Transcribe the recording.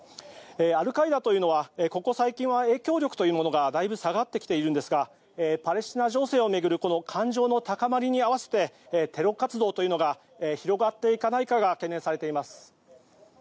アルカイダというのはここ最近は影響力というのはだいぶ下がってきているんですがパレスチナ情勢を巡る感情の高まりに合わせてテロ活動というのが広がっていかないかが懸念されています。